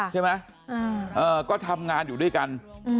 ใช่ไหมก็ทำงานอยู่ด้วยกัน